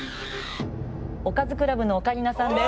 おかずクラブのオカリナさんです。